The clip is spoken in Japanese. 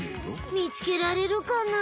みつけられるかなあ。